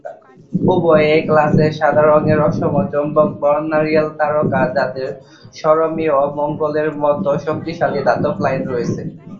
উভয়েই এ-ক্লাসের সাদা রঙের অসম চৌম্বক বর্ণালীর তারকা যাদের সারমেয় মণ্ডলের মত শক্তিশালী ধাতব লাইন রয়েছে।